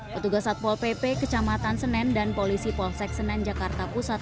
petugas satpol pp kecamatan senen dan polisi polsek senen jakarta pusat